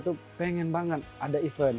morgen barra nampak di